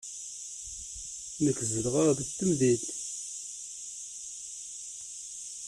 Nekk zedɣeɣ deg temdint.